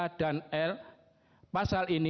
pasal ini mengakibatkan putusan pemidanaan